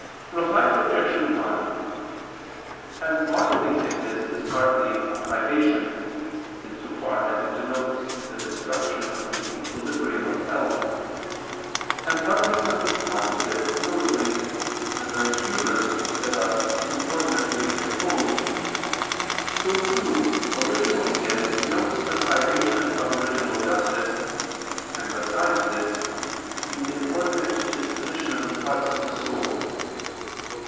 Reply Obj. 1: As bodily sickness is partly a privation, in so far as it denotes the destruction of the equilibrium of health, and partly something positive, viz. the very humors that are inordinately disposed, so too original sin denotes the privation of original justice, and besides this, the inordinate disposition of the parts of the soul.